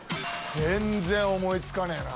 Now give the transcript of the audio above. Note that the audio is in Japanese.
全然思いつかねえな。